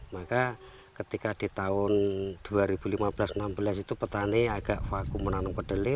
maka ketika di tahun dua ribu lima belas dua ribu enam belas itu petani agak vakum menanam kedelai